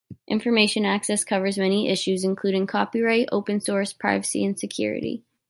Information access covers many issues including copyright, open source, privacy, and security.